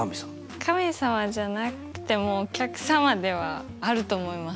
神様じゃなくてもお客様ではあると思います。